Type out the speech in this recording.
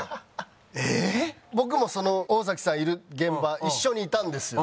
僕も大さんいる現場一緒にいたんですよ。